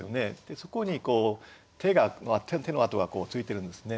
そこに手の跡がついてるんですね。